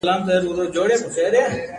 په دغي کیسې کي مي ډېر نوي درسونه لیدلي وو.